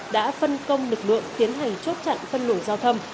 đã phân công lực lượng tiến hành chốt chặn phân luồng giao thông